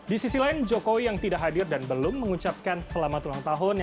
di sisi lain jokowi yang tidak hadir dan belum mengucapkan selamat ulang tahun